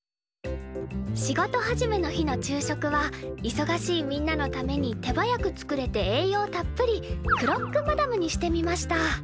仕事始めの日の昼食はいそがしいみんなのために手早く作れて栄養たっぷりクロックマダムにしてみました。